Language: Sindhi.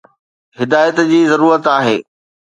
ھدايت جي ضرورت آھي